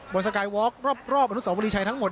สกายวอล์กรอบอนุสาวรีชัยทั้งหมด